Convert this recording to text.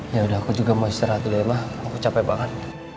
yaudah aku juga mau istirahat dulu ya emang aku capek banget